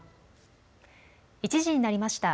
１時になりました。